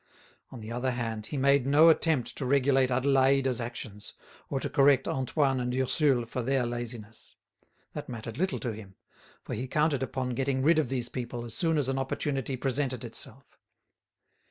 On the other hand, he made no attempt to regulate Adélaïde's actions, or to correct Antoine and Ursule for their laziness. That mattered little to him, for he counted upon getting rid of these people as soon as an opportunity presented itself.